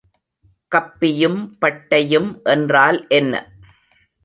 கப்பியும் பட்டையும் என்றால் என்ன?